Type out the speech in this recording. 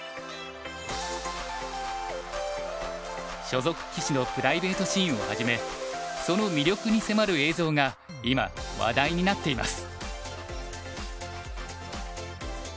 所属棋士のプライベートシーンをはじめその魅力に迫る映像が今話題になっています。